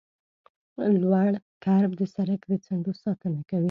لوړ کرب د سرک د څنډو ساتنه کوي